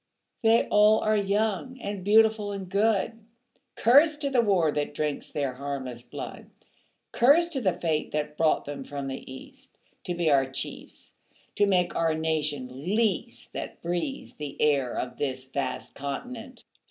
They all are young and beautiful and good; Curse to the war that drinks their harmless blood. Curse to the fate that brought them from the East To be our chiefs to make our nation least That breathes the air of this vast continent.